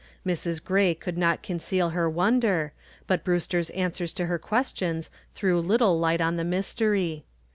Mrs. Gray could not conceal her wonder, but Brewster's answers to her questions threw little light on the mystery.